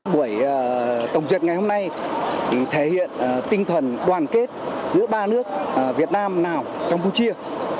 buổi tổng duyệt ngày hôm nay thể hiện tinh thần đoàn kết giữa ba nước việt nam lào campuchia